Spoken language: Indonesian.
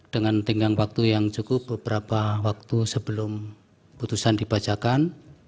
dengan tenggang waktu yang cukup beberapa waktu sebelum putusan dibacakan